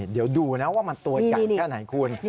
เดี๋ยวดูนะว่ามันตัวใหญ่แค่ไหนคุณ